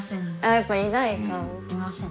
やっぱいないか。